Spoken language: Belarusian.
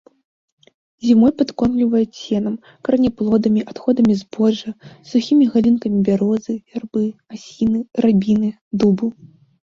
Зімой падкормліваюць сенам, караняплодамі, адходамі збожжа, сухімі галінкамі бярозы, вярбы, асіны, рабіны, дубу.